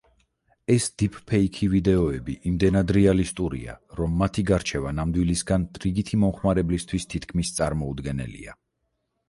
ეს დიფფეიქი ვიდეოები იმდენად რეალისტურია, რომ მათი გარჩევა ნამდვილისგან რიგითი მომხმარებლისთვის თითქმის წარმოუდგენელია.